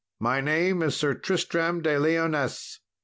My name is Sir Tristram de Lyonesse."